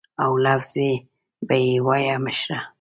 او لفظ به یې وایه مشره.